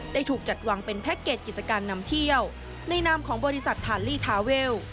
ถูกจัดวางเป็นแพ็คเกจกิจการนำเที่ยวในนามของบริษัททาลีทาเวล